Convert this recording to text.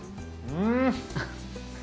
うん！